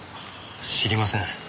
知りません。